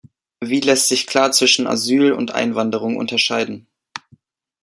Wie lässt sich klar zwischen Asyl und Einwanderung unterscheiden?